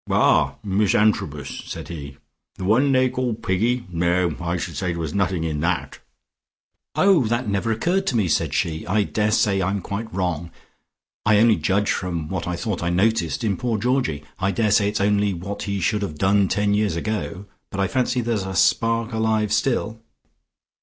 "Ah, Miss Antrobus," said he. "The one I think they call Piggy. No, I should say there was nothing in that." "Oh, that had never occurred to me," said she. "I daresay I'm quite wrong. I only judged from what I thought I noticed in poor Georgie. I daresay it's only what he should have done ten years ago, but I fancy there's a spark alive still.